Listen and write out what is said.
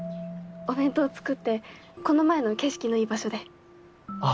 お弁当作ってこの前の景色のいい場所で。